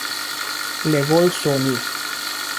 Le Gault-Soigny